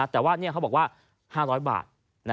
แต่ว่าเขาบอกว่า๕๐๐บาท